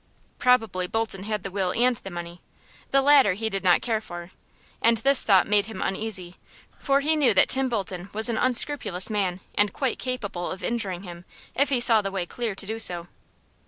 Probably Bolton had the will and the money the latter he did not care for and this thought made him uneasy, for he knew that Tim Bolton was an unscrupulous man, and quite capable of injuring him, if he saw the way clear to do so.